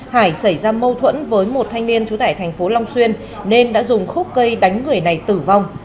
hải xảy ra mâu thuẫn với một thanh niên trú tại thành phố long xuyên nên đã dùng khúc cây đánh người này tử vong